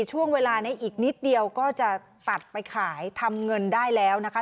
ช่วงเวลานี้อีกนิดเดียวก็จะตัดไปขายทำเงินได้แล้วนะคะ